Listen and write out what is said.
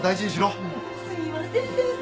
すみません先生。